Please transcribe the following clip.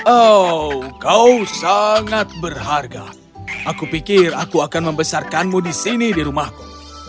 oh kau sangat berharga aku pikir aku akan membesarkanmu di sini di rumahku